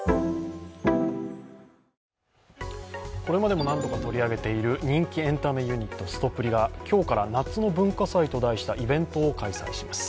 これまでも何度か取り上げている人気エンタメユニット、すとぷりが今日から夏の文化祭と題したイベントを開催します。